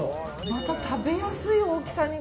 また食べやすい大きさに。